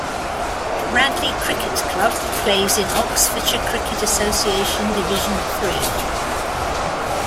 Radley Cricket Club plays in Oxfordshire Cricket Association Division Three.